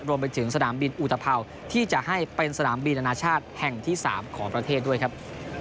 รวมไปถึงสนามบินอุตภัวที่จะให้เป็นสนามบินอนาชาติแห่งที่๓ของประเทศด้วยครับ